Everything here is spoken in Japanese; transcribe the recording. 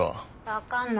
分かんない。